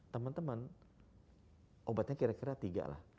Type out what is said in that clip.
teman teman obatnya kira kira tiga lah